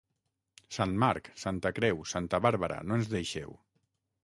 Sant Marc, Santa Creu, Santa Bàrbara no ens deixeu.